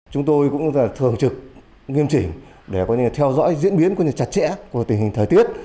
chúng tôi cũng thường trực nghiêm chỉnh để theo dõi diễn biến chặt chẽ của tình hình thời tiết